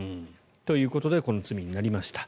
ということでこの罪になりました。